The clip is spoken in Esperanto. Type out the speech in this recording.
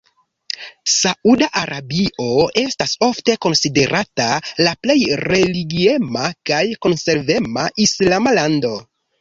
Sauda Arabio estas ofte konsiderata la plej religiema kaj konservema islama lando.